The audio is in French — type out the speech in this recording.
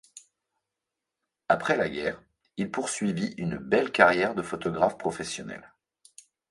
Après la guerre, il poursuivit une belle carrière de photographe professionnel.